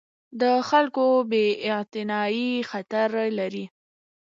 د خلکو بې اعتنايي خطر لري